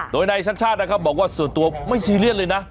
โดยนายชัดชาตินะครับบอกว่าส่วนตัวไม่ซีเรียสเลยนะ